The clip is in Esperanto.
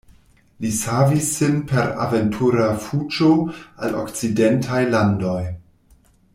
Li savis sin per aventura fuĝo al okcidentaj landoj.